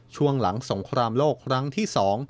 ช่วงหลังสงครามโลกครั้งที่๒